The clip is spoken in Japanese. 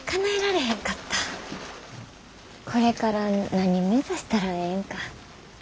これから何目指したらええんか。